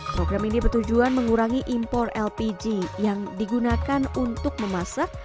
program ini bertujuan mengurangi impor lpg yang digunakan untuk memasak